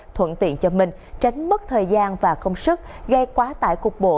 thuận tiện cho mình tránh mất thời gian và công sức gây quá tải cục bộ